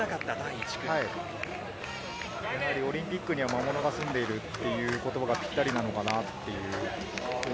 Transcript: オリンピックには魔物が住んでいるという言葉がぴったりなのかな